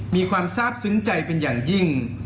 มีความทราบซึ้งใจเป็นอย่างยิ่ง